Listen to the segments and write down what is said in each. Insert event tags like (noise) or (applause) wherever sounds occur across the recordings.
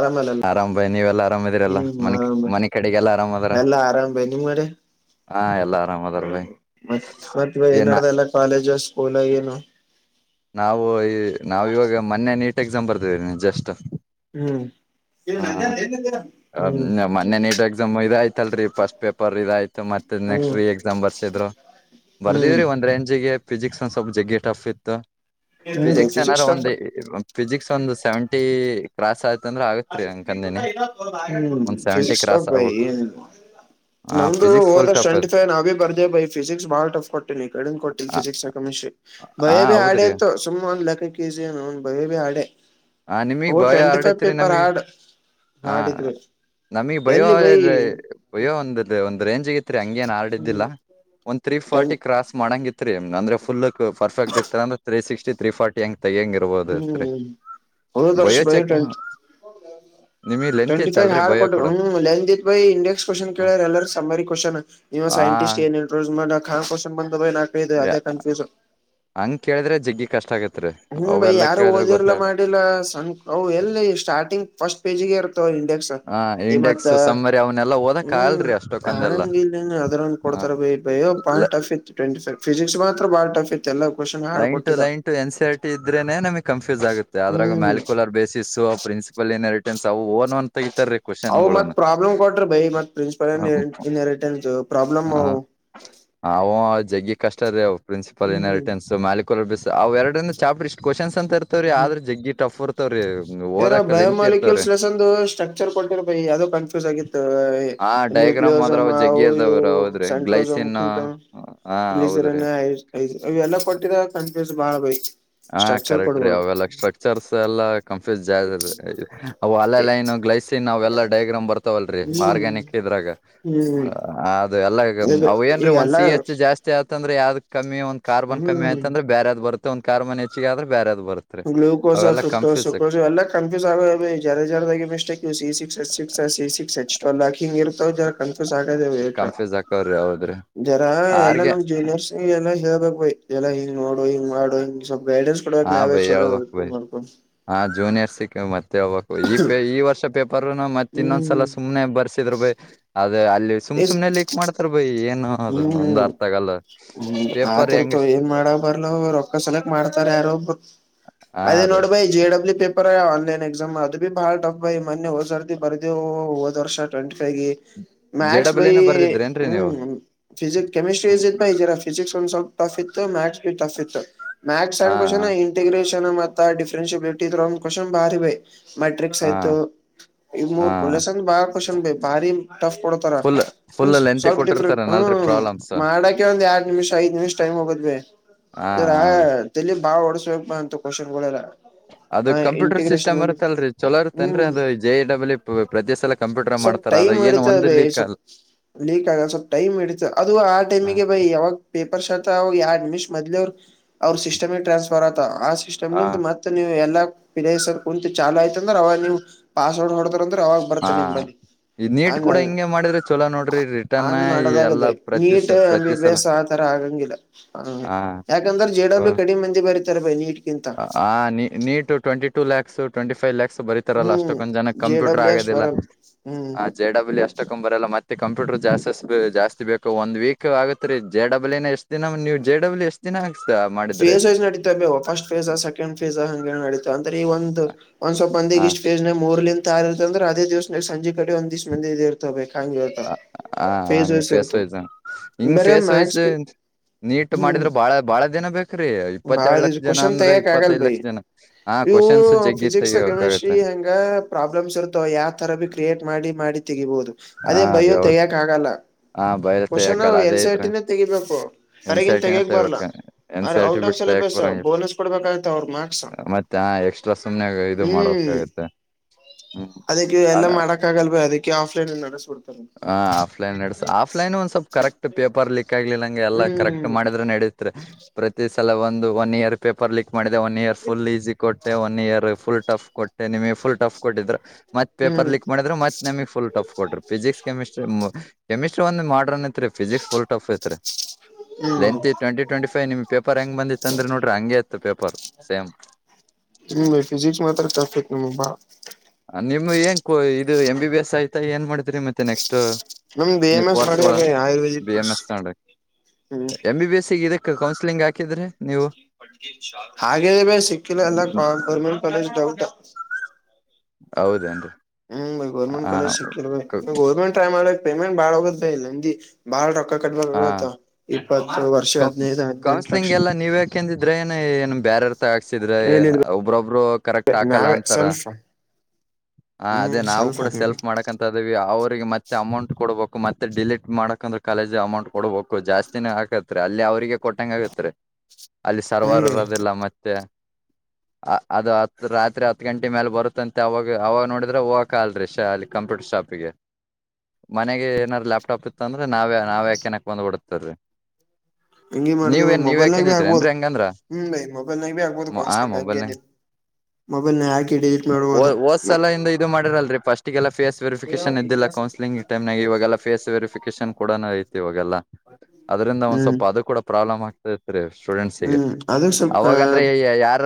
ಆರಾಮಲ್ಲ ಆರಾಮ್ ಬಾಯ್ ನೀವೆಲ್ಲಾ ಆರಾಮದಿರಲ್ಲ ಹ್ಮ್ ಮನಿ ಆರಾಮ ಮನಿ ಕಡೆಗೆಲ್ಲಾ ಆರಾಮ್ ಅದಾರ ಎಲ್ಲ ಆರಾಮ್ ಭೈ ನಿಮ್ಗಡೆ ಹಾ ಎಲ್ಲಾ ಆರಾಮ್ ಅದಾರ ಬಾಯ್ (unintelligible) ಮತ್ ಮತ್ ಏನ್ ಏನ ನಡದದ ಎಲ್ಲ ಕಾಲೇಜ್ ಸ್ಕೂಲ್ ಏನು- ನಾವು ಈ ನಾವ ಇವಾಗ ಮೊನ್ನೆ ನೀಟ್ ಎಕ್ಸಾಮ್ ಬರ್ದಿವಿ ಜಸ್ಟ್. ಹ್ಮ್ ಹ್ಮ್ ಹ್ಮ ಮೊನ್ನೆ ನೀಟ್ ಎಕ್ಸಾಮ್ ಇದಾಯ್ತಲ್ರರಿ ಫಸ್ಟ್ ಪೇಪರ್ ಇದಾಯ್ತು ಮತ್ತೆ ಮತ್ತ ನೆಕ್ಸ್ಟ್ ಹ್ಮ್ ಎಕ್ಸಾಮ್ ಬರ್ಸಿದ್ರು ಹ್ಮ್ ಬರ್ದೀವ್ರೀ ಒಂದ್ ರೇಂಜಿಗೆ ಫಿಸಿಕ್ಸ್ ಒಂದ ಸ್ವಲ್ಪ ಜಗ್ಗಿ ಟಫ್ ಇತ್ತು. ಹ್ಮ್ ಬೈ ಫಿಸಿಕ್ಸ್ ಏನಾರ ಸ್ಟಾಫ್ ಒಂದು ಹ್ಮ್ ಫಿಸಿಕ್ಸ್ ಒಂದು ಸೆವೆಂಟಿ ಕ್ರಾಸ್ ಆತೂ ಹ್ಮ ಒಂದ್ ಸೆವೆಂಟಿ ಫಿಸಿಕ್ಸಾ ಕ್ರಾಸ್ ಭೈ. ಆಗ್ಬೇಕು ಹ ನಮ್ದು ಫಿಸಿಕ್ಸ್ ಹೋದ ಫುಲ್ ವರ್ಷ ಟಫ್ ಅದ ಸೆವೆನ್ಟಿಫೈವ್ ನಾವೇ ಬರ್ದೇವ್ ಬೈ ಫಿಸಿಕ್ಸ್ ಬಾಳ ಟಫ್ ಕೊಟ್ಟೀವು ಈಕಡೆ ಇಂದ ಕೊಟ್ಟ ಫಿಸಿಕ್ಸ್ ಕೆಮಿಸ್ಟ್ತ್ರಿ ಹ ಬಯೋ ಬಿ ಹಾರ್ಡ್ರೇ ಹೌದ್ರಿ ಇತ್ತು ಸುಮ್ಮ ಒಂದ ಲೆಕ್ಕಕ್ಕ ಈಸಿ ಇತ್ತು ಬಯೋ ಬಿ ಹಾರ್ಡೆ. ಆ ನಿಮಿಗ ಬಯೋ ಬಿ ಹಾರ್ಡ್ ಇತ್ತರಿ. ಹ ಹಾರ್ಡ್ ಇತ್ತು ಬೈ ನಮಗ್ ಭಯೋ ಎಲ್ಲಿ ಬೈ ಹ್ಮ್ ಭಯೋ ಒಂದ ರೇಂಜ್ಗಿತ್ರಿ ಹಂಗ ಏನ್ ಹಾರ್ಡ್ ಹ್ಮ್ ಇದಿಲ್ಲ ಒಂದ್ ತ್ರೀ ಫಾರ್ಟಿ ಕ್ರಾಸ್ ಮಾಡೋಂಗತ್ ರೀ. ಹ ಅಂದ್ರೆ ಫುಲ್ಕ್ ಪರ್ಫೆಕ್ಟ್ ಇತ್ತ ಅಂದ್ರ ತ್ರೀ ಸಿಕ್ಸ್ಟಿ ತ್ರೀ ಫೋರ್ಟಿ ಹಂಗ ತೆಗಿಯೋಹಾಂಗ್ ಇರ್ಬೋದು ಇತ್ರಿ. ಹೋದ ವರ್ಷ ಬಯೋ ಟೆಂಟ್ ನಿಮಗ್ ಲೆಂತ್ ಟ್ವೆಂಟಿ ಫೈ ಇತ್ತಲ್ರಿ ಹಾರ್ಡ್ ಬಯೋ ಕೊಟ್ಟ ಕೂಡ ಹ್ಮ ಲೆಂಘ್ತ್ ಇತ್ತ ಬೈ ಇಂಡೆಸ್ ಕ್ವೆಶ್ಚನ್ ಕೇಳ್ಯಾರ ಎಲ್ಲ ಸಮ್ಮರಿ ಕ್ವೆಶ್ಚನ್ ಜೀವ ಆ ಸೈಂಟಿಸ್ಟ್ ಏನ್ ಇಂಟ್ರೊಡೂಸ ಮಾಡ್ಯಾರ ಕಾನ್ ಕ್ವೆಶ್ಚನ್ ದ ಅದೇ ಕನ್ಫ್ಯೂಸ್. ಹಂಗ ಕೇಳಿದ್ರೆ ಜಗ್ಗಿ ಕಷ್ಟ ಆಗುತ್ತೆ. ಹ್ಮ್ ಬೈ ಯಾರು ಓದಿರ್ಲಾ ಮಾಡಿಲ್ಲ ಸಣ್ಣ ಅವು ಎಲ್ಲಿ ಸ್ಟಾರ್ಟಿಂಗ್ ಫಸ್ಟ್ ಪೇಜ್ಗೆ ಇರ್ ಇಂಡೆಕ್ಸ್ ಹ ಈ ಮತ್ತ ಇಂಡೆಕ್ಸ್ ಸಮ್ಮರಿ ಅವನೆಲ್ಲಾ ಓದಕ್ ಹ್ಮ್ ಆಗಲ್ರಿ ಅಷ್ಟಕ್ಕೊಂದೆಲ್ಲ ಹಂಗ ಇಲ್ಲ ಅದ್ರ ಹ ಕೊಡ್ತಾರ. ಬಯೋ ಭಾಳ ಟಫ್ ಇತ್ತು (unintelligible) ಫಿಸಿಕ್ಸ್ ಮಾತ್ರ ಭಾಳ ಟಫ್ ಇತ್ತು. ಎಲ್ಲ ಕ್ವಶನ್ ಹಾರ್ಡ್ ಲೈನ್ ಟ ಕೊಟ್ಟಿದ್ದ ಲೈನ್ ಟ ಏನ್ ಸಿ ಆರ್ ಟಿ. ಇದ್ರೆನೆ ನಮಗ್ ಕನ್ಫ್ಯೂಸ್ ಆಗುತ್ತೆ ಆದ್ರಗ ಹ್ಮ್ molecular basis principal in inheritance ಅವು ಓನ್ ಒಂದು ಅವ ಮತ್ ಪ್ರಾಬ್ಲಮ್ ಕೊಟ್ರಿ ಭೈ ಮತ್ ಪ್ರಿನ್ಸಿಪಲ್ ಹ ಇನ್ ಹೆರಿಟನ್ಡು ಪ್ರಾಬ್ಲಮ್ ಹ, ಅವು ಅವ ಜಗ್ಗಿ ಕಷ್ಟ ರೀ ಅವ principal in hmm inheritance molecular basis ಅವ ಎರಡ ಚಾಪ್ಟರ್ ಇಷ್ಟ ಕ್ವೆಶ್ಚನ್ ಅಂತ ಇರ್ತವ್ರೀ ಹ್ಮ್ ಆದ್ರ ಜಗ್ಗಿ ಟಫ್ ಇರ್ತಾವ್ರೀ. ಇದ್ರ ಬಯೋಮಾಲಿಕ್ಯೂಲ್ಸ್ಸ್ ಲೆಸೆನ್ದ ಸ್ಟ್ರಕ್ಚರ್ ಕೊಟ್ಟಿರ ಭೈ ಅದು ಕನ್ಫ್ಯೂಸ್ ಆಗಿತ್ತು. ಆ ಡಯಾಗ್ರಾಮ್ ಆದ್ರ ಅವ್ ನ್ಯೂಕ್ಲಿಯೋಸಮ್ವು ಜಗ್ಗಿ ಅವು ಇವು ಇರ್ದಾವ್ರ ಹೌದ್ರಿ ಗ್ಲೈಸಿನ್ ಸೆಂಟ್ರೋಸಮ್ಕ್ಕಿಂತ ಹಾ ಹೌದ್ರಿ ಗ್ಲಿಸಿರಿನ್ ಇವೆಲ್ಲಾ ಕೊಟ್ಟಿರ ಕನ್ಫ್ಯೂಸ್ ಬಾಳ ಬೈ. ಹಾ ಸ್ಟ್ರಕ್ಚರ್ ಕರೆಕ್ಟ್ ರೀ ಕೊಡ್ಬೇಡ ಅವೆಲ್ಲ ಸ್ಟ್ರಕ್ಚರ್ಸ್ ಎಲ್ಲಾ ಕಂ (unintelligible) ಅವ ಲೈನ್ ಗ್ಲೈಸಿನ್ ಅವೆಲ್ಲಾ ಡೈಗ್ರಾಮ್ ಬರ್ತಾವಲ್ರೀ ಹ್ಮ್ ಆರ್ಗ್ಯಾನಿಕ್ ಇದ್ರಾಗ ಹ್ಮ್ ಅದು ಎಲ್ಲ ಅದೇ ಏನ್ರಿ ಈಗ ಒಂದ್ ಎಲ್ಲಾ ಸಿ ಹೆಚ್ ಜಾಸ್ತಿ ಆತಂದ್ರೆ ಯಾವ್ದಕ್ - ಕಮ್ಮಿ ಒಂದ ಕಾರ್ಬನ್ ಕಮ್ಮಿ ಹ್ಮ್ ಆತ ಅಂದ್ರ ಬ್ಯಾರೆದ ಬರುತ್ತ ಒಂದು ಕಾರ್ಬನ್ ಹೆಚ್ಚಗ ಆದ್ರೆ ಬ್ಯಾರೆದ ಬರುತ್ತ. ಗ್ಲೂಕೋಸ್ ಫ್ರಕ್ಟೋಸ್ ಎಲ್ಲ ಕನ್ಫ್ಯೂಸ್ ಆಗ ಜರ ಜರದ mistake C six A six C six H twelve ಹಿಂಗ ಇರ್ತವ ಕನ್ಫ್ಯೂಸ್ ಆಗೇದ (unintelligible) ಕನ್ಫ್ಯೂಸ್ ಆಕವ್ರಿ ಹೌದ್ರಿ ಜರಾ ಎಲ್ಲ ಆರ್ಗೆ ನಮ್ ಜೂನಿಯರ್ಸ್ ಎಲ್ಲ ಹೇಳ್ ಹೇಳ್ಬೇಕ ಭೈ ಎಲ್ಲ ಹಿಂಗ ನೋಡು ಹಂಗ್ ಮಾಡು ಹಿಂಗ ಸ್ವಲ್ ಗೈಡೆನ್ಸ್ ಕೊಡ್ಬೇಕು ನಾವೇ ಚಲೋ ಹೇಳ್ಬೇಕ ಓದ್ಕೊಂಡ್ ಮಾಡ್ಕೊಂಡ್ ಹಾ ಜೂನಿಯರ್ಸ್ ಸಿಕ್ರ ಮತ್ತೆ. ೇಬೇಕು ಈ ಪ ಈ ವರ್ಷ ಪೇಪರ್ನು ಮತ್ತ ಇನ್ನೊಂದ್ಸಲ ಹ್ಮ್ ಸುಮನೆ ಬರ್ಸಿದ್ರು ಭೈ ಅದೇ ಅಲ್ಲಿ ಸು್ ಸುಮ್ನೆಲ್ಲಿ ಈಕ್ ಮಾಡ್ತಾರ ಬೈಿ ಏ ಹ್ಮ್ ಹ್ಮ್ ಹ್ಮ್ ಪೇಪರ್ ಹೆಂಗ ಆತಿರ್ತವ ಏನ್ ಮಾಡ ಬರ್ಲ ರೊಕ್ಕ ಸಲಕ್ ಮಾಡ್ತಾರೆ ಯ ಹಾ ಅದೇ ರೀ ನೋಡ ಬೈ ಜೆಡಬ್ಲ್ಯೂ ಪೇ ಆನ್ಲೈನ್ ಎಕ್ಸಾಮ್ ಅದು ಬಿ ಬಾಳ ಟಫ್ ಬೈ ಮೊೆ ಹೋ್ರ್ದಿ ಬರ್ದವು ಹೋದ್ ವರ್ಷ ಟ್ವೆಂಟಿ ಫೈ್ಗೆ ಜೆ ಮ್ಯಾಕ್ಸ್ ಭೈ ಡಬ್ಲ್ಯೂನು ಬರ್ದಿದ್ರೇನ್ರಿ ನೀವು ಹ್ಮ್ ಫಿಕ್ಸ್ ಕೆಮಿಸ್ಟ್ರಿ ಹ್ಮ್. ಇಸ್ ಇದ್ ಈೀರ ಫಸಿಕ್ಸ್ ಒಂದ್ ಸ್ವಲ್ಪ ಫ್ ಇತ್ತು ಮ್ಯಾಥಸ್ ಬಿ ಟಫ್ ಇತ್ತು ಹಾ ಮ್ಯಾಕ್ಸ್ನ್್ೋಷನ ಇಂಟಿಗ್ರೇಷನ್ ಮತ್ತ ಡಿಫ್ರನ್ಿಿಯಬಿಲಿಟಿ ತ್ಕಸ ಭಾರಿ ಭೈಿ ಮೆಟ್ರಿಕ್ಸ್ ಹಾ ಆಯ್ತು ಈ ಮೂರ್ ಹಾ ಪಲಸ್ ಅಂದ ಬಾ ಕ್ವನ್ ಬ ಬಾರಿ ಟಫ್ ಕೊಡತಾರ ಫುಲ್ ಮ ಫುಲ್ ಲೆಂತಿ ಸ್ವಲ್ಪ ಡಿಫ್ರಟ್ ಕೊಟ್ಟಿರ್ತಾರ ನಲ್ರಿ ಹ್ಮ್ ಪ್ರಾಬ್ಲಮ್ಸ್ ಮಾಡಕ ಒಂದ್ ಯರಡ್ ನಿಮಿಷ ಐದ್ ನಿಮಿಷ ಟೈಮ್ ಹಾ ಹೋಗದ್ವಿರ ರೀ ಬಾ ಓಡಸ್ಬೇಕು ಬ ಅಂತು ಕ್ವಶನ್ ೆಲ್ಲ ಅದು ಕಂಪೂಟರ್ ಸಿಸ್ಟ್ರುತ್ತಲ್ರಿ ಚಲೋರುತ್ತ ಅನ್ರಿ ಹ್ಮ್ ಅದು ಜ ಎ ಡಬ್ಲ್ಯೂ ಪ್ರತಿ ಸಲ ಕಂಪ್ಯೂಟರ್ ಮಾಡ್ತಾರ ತ ಅದು ಸ್ವ ಲೀಕ್ ಆಗ ಸ್ವ ಟೈಮ್ ಇಡಿತು ಅದು ಆ ಹ ಟೈಮಿಗೆ ಬೈ ಯಾವಾಗ ಪೇಪರ್ ಶರ್ಟ್ ಅವಾಗ ಯ ಅಡ್ಮಿಷ್ ಮದ್ಲಿ ಅವರು ಅವ್ರ ಸಿಸ್ಟಮ್ ಟ್ರಾನ್ಸ್ಫರ್ ಆತ ಆ ಸಿಸ್ಟಮ್ ನಿಂತ ಮತ್ತೆ ನೀವು ಎಲ್ಲ ಪಿ ಸರ್ ಕುಂತ ಚಾಲು ಆಯ್ತ ಅಂದ್ರ ಅವಾಗ ನೀವು ಪಾಸ್ವರ್ಡ್ ಹೊಡತಾರ ಅವಾಗ ಹಾ ಬರುತ್ತೆ ನಿಮ ಬಿ ಈ ನೀಟ್ ಕೂಡ ಹಿಂಗೆ ಮಾಡಿದ್ರೆ ಚಲೋ ನೋಡ್ರಿ ರಿಟರ್ನ್ ಹಂಗ ಹಂಗ್ ಎಲ್ಲಾ ಪ್ರತಿ ನೀಟ್ ಪ್ರತಿ ಸಲ ಅಂಬಸ್ ಆ ತರ ಆಗಂಗಿಲ್ಲ ಹಾ ಯಾಕಂದ್ರೆ ಜೆಡಬ್ಲ್ಯ ಕಡಿ ಮಂದಿ ತರ ನೀ ನೀಟ್ ಟ್ವೆಂಟ ಟ ಲ್ಾಸ್ ಟ್ವೆಂಟ ಫೈವ್ ಲ್ಯಾಕ್ಸ್ ಬರಿೀತಾರಲ್ಲ ಹ್ಮ್ ಅಷ್ಟೊಕ್ಕೊಂದ ಜನ ಜೆ ಕಂಪ್ಯೂಟರ್ ಡಬ್ಲ್ಯೂ ಎಸ್ ಆಗೋದಿಲ್ಲ ಬರಲ್ ಹ್ಮ್ ಜೆ ಡಬ್ಲ್ೂ ಎ ಅಷ್ಟಕ್ಕೊ್ ಬರಲ್ಲ ಮತ್ತೆ ಕಂಪ್ಯೂಟರ್ ಜಾಸ್ ಜಾಸ್ತಿೇಕ ಒಂದ ವೀಕ್ ಆಗತ್ ರ ಜ ಡಬಲ್ ಎಷ್ಟ ದಿನ ನೀವು ಜೆ ಡಬ್ಲ್ ಎಷ್ಟ್ ದಿನ ಮಾಡಿದ್ರಿ ಫೇಸ್ ವೈಸ್ ನಡೀತವೆ ಬೇವು ಫಸ್ಟ್ ಫೇಸ್ ಸೆಕೆಂಡ್ ಫೇಸ್ ಹಂ ನಡೀತ ಅಂದ್ರೆ ಈ ಒಂದು ಒಂದ್ ಸ್ವಪ ಹ ಮಂದಿಗೆ ಇಷ್ಟ್ ಪೇಜ ನ ಮೂರ್ಲಂದ ತಾರ್ ಇರ್ತ ಅ್ರ ಅದೇ ದಿವಸಾಗ ಸಂಜೆ ಕಡೆ ಒಂದ ದ್ ಮಂದ ಇದ ಇರ್ತಬೇಕು ಕಗೆತ ಹ ಹ ಫೇಸ್ ವ್ ಹಂಗ ಬರೆ ಫೇಸ್ ವಾಯ್ ಮ್ಯಾಕ್ಸ್ ನೀಟ್ ಹ್ಮ್ ಮಾಡಿದ್ರು ಬಾಳ ಬಾಳ ದಿನ ಬೇಕು ್ರೀ ಇಪ್ಪತ್ತ ಎರಡು ಬಾಳ ಲಕ್ಷ ಜನ ಕ್ವಶನ್ ಅಂದ್ರ ತೆಗಯಕ್ ಆಗಲ್ ಇಪ್ಪತ್ತೈದ್ ಬೈ ಲಕ್ಷ ಜನ ಹ ಕ್ವನ್ಸ್ ಜಗ್ಗ ತೆಗೋಾಗತ್ತೆ ಂಗ ಪ್ರಾಬ್ಲಮ್ಸ್ ಇರುತಾವ ಯಾವ ತರ ಬಿ ಕ್ರಿಯೇಟ್ ಮಾಡಿ ಮಾಡಿ ತೆಗಿಬಹುದು ಅದೇ ಹಾ ಬಯೋ ರೀ ಹೌದು ತೆಯಕ್ ಆಗಲ್ಲ ಹಾ ಬೈಲ ಕ್ವಶನ್ ತಯ್ಯಕಲ್ಲ ಎನ್ ಅದೇ ಸಿ ಆರ್ ಇದ್ರ ಟಿನೇ ತೆಗಿಬೇಕು ಹೊರಗಿನ್ ಎನ್ಸಟಿನ ತೆಗಿಯಕ್ ಬರ್ಲಾ ತಯಕ್ ಎನ್ ಅ C R T out of ಬಿಡ್ತಕ್ ಸಿಲೆಬಸ್ ಬರಂಗ ಬೋನಸ್ ಕೊಡ್ಬೇಕಾಗತ್ತ ಅವ್ರ ಮಾರ್ಕ್ಸ್ ಮತ್ತೆ ಎಕ್ಸ್ಟ್ರಾ ಸುಮ್ನೆಾಗ ಇದು ಮಾಡೋಕ್ಿ ಹ್ಮ್ ಹತ ಅದಕ್ಕೆ ಎಲ್ಲ ಮಾಡಕ್ ಆಗಲ್ ಭ ಅದಕ್ಕೆ ಆಫ್ಲೈನ್ ನಡೆಸ್ಬಿಡ್ತಾರ ಹ ಆಫ್ಲೈನ್ ನಡ್ಸ ಆಫ್ಲೈನ್ ಒಂದ್ ಸ್ವಲ್ಪ ಕರೆಕ್ಟ್ ಪೇಪರ್ ಲಿಕ್ ಆಗ್ಲಿಲ್ಲ ಎಲ್ಲಾ ಕರೆಕ್ಟ್ ಹ್ಮ್ ಮಾಡಿದ್ರೆ ನಡೀತ ಪ್ರತಿ ಸಲ ಒಂದು ಒನ್ ಇಯರ್ ಪೇಪರ್ ಲಿಕ್ ಮಾಡಿದೆ ಒನ್ ಇಯರ್ ಫುಲ್ ಈಸಿ ಕೊಟ್ಟೆ ಒನ್ ಇಯರ್ ಫುಲ್ ಟಫ್ ಕೊಟ್ಟೆ ನಿಮಗೆ ಫುಲ್ ಟಫ್ ಕೊಟ್ಟಿದ್ರೆ ಮತ್ ಪೇಪರ್ ಹ್ಮ್ ಲಕ್ ಮಾಡಿದ್ರ ಮತ್ ನಮ ಫಲ್ ಫ ಕೊ್ರರು ಫಿಸಿಕ್ಸ್ ಕೆಮಿಸ್ಟ್ರಿ ಕೆಮಿಸ್ಟ್ರಿ ಒಂದು ಮಾಡ್ರನ್ ಫಿಿಸಿಿಕ್ಸ್ ಒಲ್ ಟಫ ಐತ್ರಿ ಹ್ಮ್ ಲೆಂತ್ ಟ್ಂಟಿ ಟ್ವೆಂಟಿೈವ್ ನಿಮ್ ಪೇಪರ್ ಹೆಂಗ ಬಂದಿತ್ತಂದ್ರೆ ನೋಡ್ರ ಹಗೆ ಇತ್ತು ಪೇಪರ್ ಸಂ ನಿಮ ಫಿಸಿಿಕ್ಸ್ ಮಾತ್ರ ತಫ್ ಇತ್ ನಿಮ್ಮಬ್ಬಾ ನಿಮ್ ಏನ್ೋ ಇದು ಎಂ ಬಿ ಎಸ್ ಆಯ್ತಾ ಏನ್ ಮಾಡಿದ್ರಿ ಮತ್ತೆ ನೆಕ್ಸ್ಟ ನಮ್ದ್ ಎ ನೀ ಎಂ ಎಸ್ ಮಾಡ್ಯ ಕೋರ್ಸ್ಗಳ ಬೈ Ayurvedic B M course S stand ಹ್ಮ್ M B B S counselling ಹಾಕಿದ್ರಿ ನೀವು ಹಾಗೇ ಬ ಸಿಕ್ಕಿಲ್ಲ ಎಲ್ಲ ಗೌರ್ಮೆಂಟ್ ಕಾಲೇಜ್ ಡೌಟ್ ಹೌದೇನ್ರಿ ಹ್ಮ್ ಗವರ್ಮೆಂ ಕಾಲಜ ಹ ಶಿಲ್ಲ ಗವರ್ಮೆಂಟ್ರ ಮಾಡ ಪೇಮೆಂಟ್ ಬಳಗಲ್ಲ ಎ ಬ ಪಕ್ಕ ಹ ಕಟ್ತ್ತಇಪ್ಪತ್ತು ವರ್ಷ ಹದನೈದು ಹದ್ನೆಂಟು ಲಕ್ಷ ಕೌನ್ಸ್ಲಿಂಗ್ ಹಾಕ್ಸಿದ್ರೆ ಹೇಳಿಲ್ ಒಬ್ರೊಬ್ರು ಕರೆಕ್ಟ್ ಹಾಕಲ್ಲ ನಾವೇ ಅಂತಾರ ಸ್ವಲ್ಪ ಹ ಅದೇ ಹ್ಮ್ ನಾವು ಸ್ವಲ್ಪ ಕೂಡ ಅದೇವಿ ಸೆಲ್ಫ್ ಮಾಡಕಂತ ಇದೇವಿ ಅವ್ರಿಗೆ ಮತ್ತೆ ಅಮೌಂಟ್ ಕೊಡ್ಬೇಕು ಮತ್ತೆ ಡಿಲೀಟ್ ಮಾಡಕಂದ್ರೆ ಕಾಲೇಜ ಅಮೌಂಟ್ ಕೊಡಬೇಕು ಜಾಸ್ತಿನೇ ಆಕತ್ ಅಲ್ಲಿ ಅವ್ರಿಗೆ ಕೊಟ್ಟಂಗ ಆಗತ್ರಿ ಅಲ್ಲಿ ಹ್ಮ್ ಸರ್ವರ್ ಬೈ ಇರದಿಲ್ಲ ಮತ್ತೆ (unintelligible) ಅದು ಹತ್ ರಾತ್ರಿ ಹತ್ ಗಂಟೆ ಮೇಲೆ ಬರುತ್ತಂತೆ ಅವಾಗ ಅವಾಗ ನೋಡಿದ್ರೆ ಹೋಗಕಲ್ರರಿ ಶ ಅಲ್ಲಿ ಕಂಪ್ಯೂಟರ್ ಶಾಪ್ ಮನೆಗೆ ಏನಾದು ಲ್ಯಾಪ್ಟಾಪ್ ಇತ್ತು ಅಂದ್ರೆ ನಾವೇ ನಾವ ಯಕೆನಕ್ ಬಂದುಬಡುತ್ತರ್ವಿ ಹಂಗಗೆ ಮಾಡ್ದೇವ ಮೊಬೈಲ್ನಾಗ ಭೀ ಆಗ್ಬೋದು ಹಂಗಂದ್ರ ಹ್ಮ್ ಮೊಬೈಲ್ ನಾಗ ಬಿ ಆಗ್ಬೋದು ಕೌನ್ಸಲಿಂಗ ನ ಹೊದ್ ಸಲ ಇಂದ ಇದು ಮಾಡಿರಲ್ರಿ ಫಸ್ಟ್ ಇಗೆಲ್ಲ ಫಸ್ ವೆರಿಫಿಕೇಶನ್ ಇದ್ದಿಲ್ಲ ಕೌನ್ಸಲಿಂಗ್ ಮ್ ನಾಗ ಇವಾಗಲ್ಲ ಸ್ ವೆರಿಫಿಕೇಶನ್ ಕಡ ಇ ಇವಾಗಲ್ಲ ಅದ್ರಿಂದ ಒಂದ್ ಹ್ಮ್ ಸ್ವಲ್ಪ ಅದು ಕೂಡ ಪ್ರಾಬ್ಲಮ್ ಆಗ್ತ ಸ ಸ್ಟೂಡೆಂಟ್ಸ್ಗೆ ಹ್ಮ್ ಅದಕ್ ಸ್ವಲ್ಪ ಅವಾಗಂದ್ರೆ ಯಾರ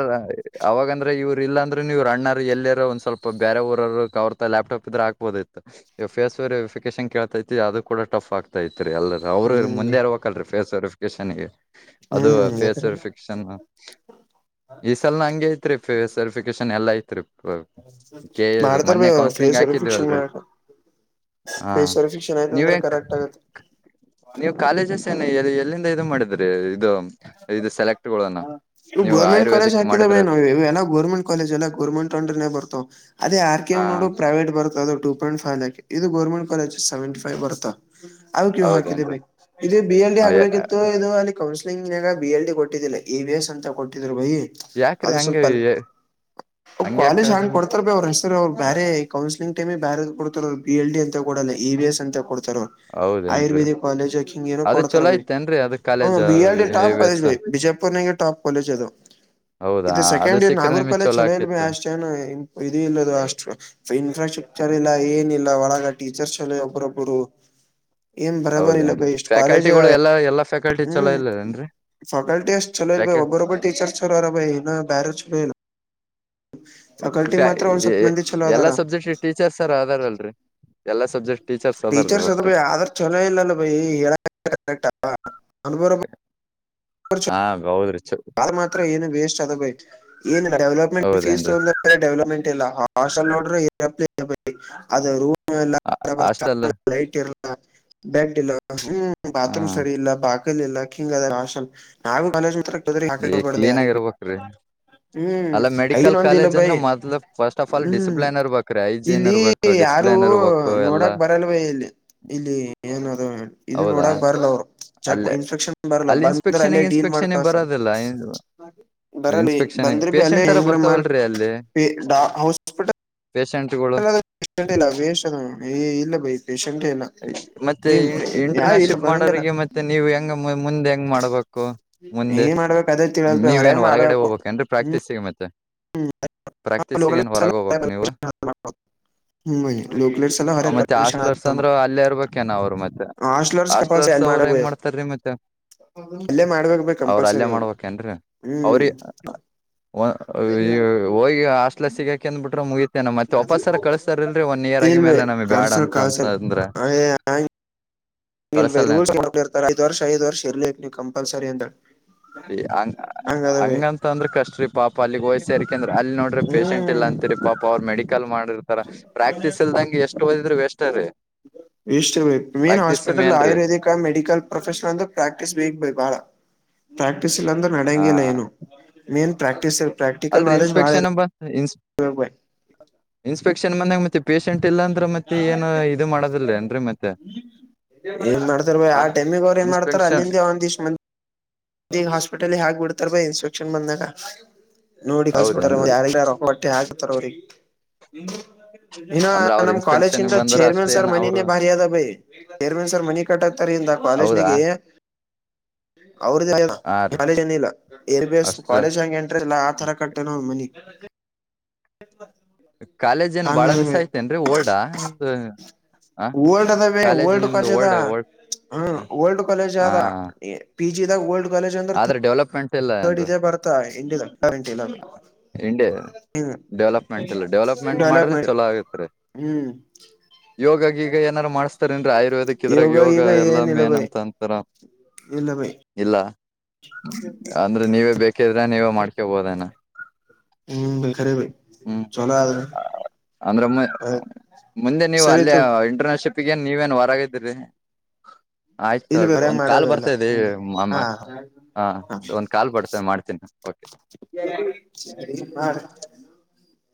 ಅವಾಗಂದ್ರೆ ಇವ್ ಇಲ್ಲಾಂದ್ರೆ ನೀರು ಅ್ಣರು ಎಲ್ಲರೋ ಒಂದ್ ಸ್ವಲ್ ಬರೆ ಊವರು ಅವ್ರ ತ ಲ್ಪ್ಟಟಾಪ್ ಇದ್ರೆ ಆಕ್ಬೋದತಿ ಫೇಸ್ ವ ವೆರಿಫಿಕೇಶನ್ ಕೇಳ್ತಾತಿ ಅದು ಕೂಡ ಟಫ್ ಆಗ್ತಾತಿ ರಿ ಎಲ್ಲ ಅವ್ರರು ಹ್ಮ್ ಮುಂದೆ ಇರ್ ಹಬೇಕಕಲ್ರರಿ ಫೇಸ್ ವೆರಿಫಿಕೇಶನ್ಗೆ ಅದು ಹ್ಮ್ ಎದರಿಲ್ಲ ಫೇಸ್ರ್ಕ್ಷನ್ ಈ ಸಲ ನ ಹಂಗೆ ಐತ್ರಿ ಸ್ರ್ಫಿನ್ ಎಲ್ಲಾ ಐತ್ರಿ ಕೇಳ ಮಾಡ್ತಾರ ಬಿ ಮೊನ್ನೆ ಅವ್ರು ಕೌನ್ಸ್ಲಿಂಗ್ ಫೇಸ್ ವೆರಿಫಿಕೇಶನ್ ಹಾಕಿದೀವಲ್ರರಿ ಮಾಡ ಹಾ ಫೇಸ್ ವೆರಿಫಿಕೇಶನ್ ಆಯ್ತ ಅಂದ್ರೆ ನ್ಯೂಯಾರ್ಕ್ ಕರೆಕ್ಟ್ ಆಗತ್ತೆ ನೀವು ಕಾಲೇಜಸ್ ಏನ ಎಲ್ಲಿಂದ ಇ ಮಾಡಿದ್ರಿ ಇದು ಇದು ಸೆಲೆ ಎಕ್ಟ್ಗೋಣ ಇವು ಗೌರ್ಮೆಂಟ್ ಕಾಲೇಜ್ ಹಾದದ ಬೇ ನಾವು ಎಲ್ಲ ಗೋರ್ಮೆಂಟ್ ಕಾಲೇಜ ಎಲ್ಲ ಗರ್ಮೆಂಟ್ ಅಂದ್ರೆೇ ಬರ್ತಾವ ಅದೇ ಆರ್ ಕೆ ಹಾ ಡು ಪ್ರೈವೇಟ್ ಬತ ಅದುಟೂ ಪಾಯಿಂ ವ್ ಇದು ಗರ್ಮೆಂಟ್ ಕಾಲಜ್ ಸವೆಂಟಿ ವ್ ಬತ್ತಾ ಅ ಕವು ಹಾಕಿದ್ದ ಹೌದೇನ್ರಿ ಬಕ್ ಇದು ಬಿ ಎಲ್ಡಿ ಆ, ಯಾ- ಹಾಕ್ಬೇಕಿತ್ತು ಇದು ಅಲ್ಲಿ ಕೌ ನ್ಯಾಗ ಬಿ ಎಲ್ ಡಿ ಕೊಟ್ಟಿದ್ದಿಲ್ಲ ಎ ವಿ ಎಸ್ ಅಂತ ಕೊಟ್ಟಿದ್ರು ಬೈ ಯಾಕ್ರಿ ಅದು ಸ್ವಲ್ಪ ಹಂಗೆ ಅ ಒಬ್ ಹಂಗ ಯಾಕ ಕಾಲೇಜ್ ಅದು ಹಾಕೊಡ್ತಾರ ಭ ಅವ್ರ ಹೆಸರು ಅವ್ರು ಬೇರೆ ಕೌನ್ಸಲಿಂಗ್ ಟಮ ಬಾರ ಕೊಡ್ತ ಬಿ ಎಲ್ ಡಿ ಅಂತ ಕೊಡಲ್ಲ ಇ ವಿ ಎಸ್ ಅಂತ ಕೊಡ ಹೌದೇನ್ರಿ ಆಯುರ್ವೇದಿಕ್ ಕಾಲೇಜ್ ಹಿಂಗ ಏನೋ ಅದು ಕೊಡ್ತಾರ ಚಲೋ ಭ ಐತೆೇನ್ರೀ ಅದ ಹ ಕಾಲೇಜ್ ಬಿ ಟಪ್ ಕಾಲಜ್ ಎಸ್ ಭೈ ಬಿಜಾಪುರ್ ನಗೆ ಟಾಪ್ ಕಾಲೇಜ್ ಅದು ಹೌದಾ ಇದು ಅದು ಸೆಕೆಂಡ್ ಇಯರ್ ಸಿಕ್ಕ್ರೆ ನಾಗೂರ್ ನಿಮಗ್ ಪಾಲೇ ಚಲೋ ಇಲ್ ಭ ಆಕಿತ್ತು ಅಷ್ಟ ಏನು ಇ ಇಲ್ಲದು ಅಷ್ಟು ಇನ್ಫ್ರಾಸ್ಟ್ರಕ್ರ್ ರಿಲ್ಲ ಏನ ಇಲ್ಲ ಒಳಗ ಟೀಚರ್ಸ್ ಹೇಳ ಒಬ್ರೊಬ್ಬರು ಎ ಬರಬರ ಇಲ್ಲ ಹೌದೇನ್ರಿ ಬೇಸ್ಟ್ ಕಾಲೇಜ ಫ್ಯಾಕಲ್ಟಿಗಳು ಎಲ್ಲಾ ಎಲ್ಲಾ ಫ್ಯಾಕಲ್ಟಿ ಚಲ ಇಲ್ಲದೇನ್ರಿ ಫಕಲ್ಟಿ ಅಷ್ಟ ಚಲಲ್ಲ ಬ ಒಬ್ಬರೊಬ್ಬ ಟಚರ್ ಚಲೋರ ಭ ಇ ಬ್ಯರೆ ಚಲಲ್ಲ ಒಂದ್ ಸ್ವಲ್ಪ ಮಂದಿ ಚಲೋ ಎಲ್ಲಾ ಅದಾರ ಸಬ್ಜೆಕ್ಟ್ ಟೀಚರ್ ಸರ್ ಅದಾರ ಅಲ್ರರಿ ಎಲ್ಲಾ ಸಬ್ಜೆಕ್ಟ್ ಅದಾರ್ರೀ ಟೀಚರ್ಸ್ ಅದ ಒಟ್ಟು ಆದ್ರ ಚಲೋ ಇಲ್ಲಭ ಹೇಳ ಕರೆ ಅರ ಹಾ ಹೌದ್ರಿ ಚ ಆದ ಮಾತ್ರ ಏನು ವೇಸ್ಟ್ ಅದ ಬ ಏ ಡೆವಲಪ್ಮೆಂಟ್ ಫೀಸ್ ಹೌದೇನ್ರಿ ತಗ ಡೆವಲಪ್ಮೆಂಟ್ ಇಲ್ಲ ಹಾಸಲೋಡ ಇರಪ್ಪ ಅದು ರೂ ಹಾಸ್ಟೆಲ್ ಲೈಟ್ ಇರ್ಲ್ಲ ಬೆಡ್ ಇಲ್ಲ ಹ್ಮ ಬಾತ್ರೂಮ್ ಹ್ಮ್ ಸರಿ ಇಲ್ಲ ಬಾಕಲ್ ಇ ಹಿಂಗ ಅದ ನಾವಾಲ ಈ ಕ್ಲೀನ್ ಡಯಾರಿ ಆಗಿ ಇರ್ಬೇಕ್ರಿ ಹ್ಮ್ ಅಲ್ಲ ಐನ ಮೆಡಿಕಲ್ ಒಂದಿಲ್ಲ ಕಾಲೇಜ್ ಭೈ ಅಂದ್ರೆ ಮೊದ್ಲು first of all hmm discipline ಇರ್ಬೇಕ್ರೀ ಹೈಜೀನ್ ಇಲ್ಲಿ ಇರ್ಬೇಕು ಯಾರು ಡಿಸಿಪ್ಲೈನ್ ಇರ್ಬೇಕು ಅವ ಎಲ್ಲಾ ನೋಡಕ್ ಬರಲ್ವ ಇಲ್ಲಿ ಇಲ್ಲಿ ಏನ ಇದು ಹೌದಾ ನೋಡಕ್ ಬರಲ್ಲ ಅವ್ರು ಚಕ್ ಅಲ್ಲೇ ಇನ್ಫೆಕ್ಷನ್ ಬರಲ್ಲ ಅಲ್ಲಿ ಬಂದ್ರೆ ಇನ್ಸ್ಪೆಕ್ಷನ್ ಅಲ್ಲೇ ಡೀಲ್ ಇನ್ಸ್ಪೆಕ್ಷನ್ ಮಾಡ್ತಾವ ಸರ್ ಬರೋದಿಲ್ಲ ಬರಲಿ ಇನ್ಸ್ಪೆಕ್ಷನ್ ಬಂದ್ರಿ ಬಿ ಅಲ್ಲ ಪೇಶೆಂಟರ ಹೆಂಗ ಬರ್ತಾವಲ್ರರಿ ಅಲ್ಲಿ ಮಾಡಡ ಹಸ್ಪಿಟಲ್ ಪೇಶೆಂಟ್ಗಳು ವೇಷ ಇಲ್ಲ ಬೈ ಪೇಶೆಂಟೇ ಇಲ್ಲ ಮತ್ತೆ ಫ್ರೀ ಯಾವ್ ಇಲ್ಲ ಇಂಟರ್ನ್ಶಿಪ್ ಬರಂಗಿಲ್ಲ ಮಾಡೋರಿಗೆ ಮತ್ತೆ ನೀವು ಹೆಂಗ ಮುಂದೆ ಹೆಂಗ್ ಮಾಡ್ಬೇಕು ಕು ಮುಂದೆ ಏನ್ ಮಾಡ್ಬೇಕು ಅದೇ ತಿಳಲ್ಪಿ ಹೊರಗೆ ನೀವೇನ್ ಹೊರಗಡೆ ಮಾಡ್ಬೇಕು ಹೋಗ್ಬೇಕೆನ್ರಿ ಪ್ರಾಕ್ಟೀಸಿಗ ಮತ್ತೆ. ಹ್ಮ್ ಪ್ರಾಕ್ಟೀಸಿಗೆ (unintelligible) ಏನ್ ಹೊರಗೆ ಹೋಗ್ಬೇಕ್ ನೀವು ಹಂ ಭೈ ನ್ಯೂಕ್ಲಿಯಸ್ ಎಲ್ಲಾ ಆ, ಅವ್ರೆ ಮತ್ತೆ ಹಾಸ್ಟ್ಲರ್ಸ್ (unintelligible) ಅಂದ್ರ ಅಲ್ಲೇ ಇರ್ಬೇಕೇನ ಅವ್ರು ಮತ್ತೆ (unintelligible) ಕಪಲ್ಸ್ ಹಸ್ಟ್ಲ್ರ್ಸ್ ಎಲ್ಲಿ ಮಾಡ ಅವ್ರು ಹೆಂಗ ಮಾಡ್ತಾರೀ ಮತ್ತೆ. ಅಲ್ಲೇ ಮಾಡ್ಬೇಕ ಬ ಅವ್ರ ಅಲ್ಲೇ ಕಂಪಲ್ಸರಿ ಅವ್ರು ಮಾಡ್ಬೇಕೇನ್ರರಿ ಅವ್ರ ಹ್ಮ್ (unintelligible) ಹೋಗಿ ಹಾಸ್ಟ್ಲಾಗ ಸಿಗಾಕೇನ್ ಬಿಟ್ರ ಮುಗಿತ್. ಏನ ಮತ್ತೆ ವಾಪಸ್ಸರ ಕಳಸ್ತಾರ ಇಲ್ರಿ ಒನ್ ಇಯರ್ ಆಗಿ ಮ್ಯಾಲ ನಮಗ್ ಬ್ಯಾಡ ಅಂತ ಅಂದ್ರ ಆಯೆ (unintelligible) ಇಲ್ಲಿ ಬೈ (unintelligible) ರೂಲ್ಸ್ ಕಳ್ಸಲ್ನೇನ್ರಿ ಮಾ (unintelligible) ಮಾಡಾರೆ ಐದ ವರ್ಷ ಐದ ವರ್ಷ ಲೇಕ್ನಿ ಕಂಪಲ್ಸರಿ ಅಂತ ಹೇಳಿ (unintelligible) ಹಂಗಂತ ಅಂದ್ರ ಕಷ್ಟ್ರೀ ಪಾಪ ಅಲ್ಲಿಗ್ ಹೋಗ್ ಸೆರ್ಕಂದ್ರ ಅಲ್ಲಿ ನೋಡ್ರಿ ಪೇಶಷಂಟಿಲ್ಲ ಹ್ಮ್ ಅಂತಿರಿ ಪಾಪ ಅವ್ರ ಮೆಡಿಕಲ್ ಮಾಡಿರ್ತಾರ ಪ್ರ್ಯಾಕ್ಟೀಸ್ ಇಲ್ದಂಗೆ ಎಷ್ಟು ಓದಿದ್ರ ವೆಷ್ಟರೀ. ಹ್ಮ (unintelligible) ವೆಸ್ಟೆ ಬೈ ಮೇನ್ ಹಾಸ್ಪಿಟಲ್ ಮೇನ್ ರೀ ಆಯುರ್ವೇದಿಕ ಮೆಡಿಕಲ್ ಪ್ರೊಫೆಷನಲ್ ಅಂತ ಪ್ರ್ಯಾಕ್ಟೀಸ್ ಬೇಕ್ ಭಾಯ್ ಬಾಳ. ಪ್ರ್ಯಾಕ್ಟೀಸ್ ಇಲ್ಲ ಅಂದ್ರ ನಡೆಂಗಿಲ್ಲ ಏನು ಮೇನ್ ಪ್ರ್ಯಾಕ್ಟೀಸ್. ಅಲ್ರೀ ಇನ್ಸ್ಪೆಕ್ಷನ್ (unintelligible) ಇರ್ಬೇಕ್ ಬೈ ಇನ್ಸ್ಪೆಕ್ಷನ್ ಬಂದಾಗ ಮತ್ತೆ ಪೇಶೆಂಟ ಟಿಲ್ಲಾ ಮತ್ತ ಇಲ್ಲಾಂದ್ರ ಮತ್ತೆ ಏನು ಇದು ಮಾಡೋದಿಲ್ರಿ ಏನ್ರಿ ಮತ್ತೆ. ಏನ್ ಮಾಡ್ತಾರ ಬೈ ಆ ಟೈಮಿಗ ಅವ್ರ ಏನ್ ಮಾಡ್ತಾರ ಇನ್ಸ್ಪೆಕ್ಷನ್ ಅಲ್ಲಿಂದ ಒಂದ್ ಇಷ ಮಂದಿ ದೀಗ ಹಾಸ್ಪಿಟಲ್ ಹಾಕ್ ಬಿಡ್ತಾರ ಬೈ ಇನ್ಸ್ಪೆಕ್ಷನ್ ಬಂದಾಗ. ನೋಡಿ ಕಲ್ಸಬಿಟ್ರ ಹೌದೇನ್ರಿ (unintelligible) ಯಾರಿೊಬಟ್ಟಿ (unintelligible) ಹಾಕ್ತಾರ ಅವ್ರಿಗ. ಹೀನಾ ಅಂದ್ರ ಅವ್ರ ನಮ್ ಕಾಲೇಜ್ ಇನ್ಸ್ಪೆಕ್ಷನ್ ಕಿಂತ ಬಂದ್ರ ಚೇರ್ಮನ್ ಅಷ್ಟೇ ಸರ್ ಏನ ಅವ್ರು ಮನಿನೇ ಭಾರಿ ಅದ ಭೈ. ಚೆರ್ಮನ್ ಸರ್ ಮನಿ (unintelligible) ಕಟಗ್ತಾರ ಇಂದ ಹೌದಾ ಕಾಲೇಜ್ನಗೆ. ಅವ್ರದ (unintelligible) ಹಾ ರೀ ಕಾಲೇಜೇನಿಲ್ಲ ಏರ್ ಬಿಸ್ ಅಷ್ಟ್ರ ಕಾಲೇಜ್ ಹಂಗೆ ಎಂಟ್ರೆಸ್ ಇಲ್ಲ ಆತರ ಕಟ್ಟೇನ್ ಅವ್ನ ಮನಿ. (unintelligible) ಕಾಲೇಜ್ ಏನ್ ಹಂಗ ಬಾಳ ಅದ ಬೈ ದಿವ್ಸ ಇತ್ತೇನ್ರಿ ಓಲ್ಡಾ ನಿಮ್ದ. ಓಲ್ಡ್ ಅದಾಬೇ ಓಲ್ಡ್ ಕಾಲೇಜ್ ಅದ ಓಲ್ಡ್ ಹ್ಮ ಓಲ್ಡ್ ಕಾಲೇಜ್ ಹಾ ಅದ ಪಿಜಿದಾಗ ಓಲ್ಡ್ ಆದ್ರ ಡೆವಲಪ್ಮೆಂಟ್. ಇಲ್ಲ ತರ್ಡ್ ಏನ್ರಿ ಇದೇ ಭರ್ತ (unintelligible) ಇ ಕರೆಂಟೀನ ಇಂಡೇ ಡೆವಲಪ್ಮೆಂಟ್ ಇಲ್ಲ ಡೆವಲಪ್ಮೆಂಟ್ ಡೆವಲಪ್ ಮಾಡ್ರೆ ಮಾಡ ಚಲೋ ಆಗತ್ರಿ.. ಹ್ಮ್ ಯೋಗಾ ಗಿಗ ಏನಾರ ಮಾಡಸ್ ಂದ್ರ (unintelligible) ಆಯುರ್ವೇದಿಕ್ ಇದ್ರಾಗ ಯೋಗ ಈಗ ಎಲ್ಲ ಏನಿಲ್ಲ ಮೇನ್ ಭೈ ಅಂತ ಅಂತರ ಇಲ್ಲ ಭೈ ಇಲ್ಲ. ಅಂದ್ರೆ ನೀವೇ ಬೇಕಿದ್ರೆ ನೀವೇ ಮಾಡ್ಕೊಬೋದೆನ. ಹ್ಮ್ ಬೈ ಖರೆ ಬೈ ಚಲೋ ಅದ. ಅಂದ್ರೆ ಮು ಮುಂದೆ ನೀವು ಸರಿ ಅಲ್ಲೇ ತ ಇಂಟರ್ನ್ಶಿಪ್ ತ್ತಗೆನ್ ನೀವೇನ್ ಹೊರಗಿದ್ದಿರಿ. ಆಯ್ತ ಇಲ್ಲಿ ತೊಳ್ರಿ ಬೇರೆ ಒಂದ್ ಕಾಲ್ ಮಾಡಲ್ಲ ಬರ್ತಾ ಇದೆ ಹ್ಮ್ (unintelligible) ಮಾಮ ಹಾ ಹಾ ಸೊ ಒಂದ್ ಕಾಲ್ ಬಡ್ತ ಮಾಡ್ತೀನಾ ಸರಿ ಮಾಡ.